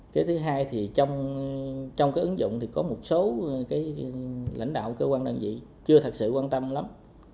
thứ hai là trong ứng dụng có một số lãnh đạo cơ quan đơn vị chưa thật sự quan tâm lắm